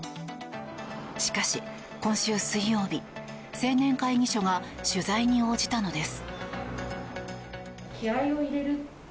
しかし、今週水曜日青年会議所が取材に応じたのです。